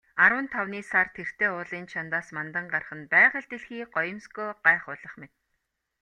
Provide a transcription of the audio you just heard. Арван тавны сар тэртээ уулын чанадаас мандан гарах нь байгаль дэлхий гоёмсгоо гайхуулах мэт.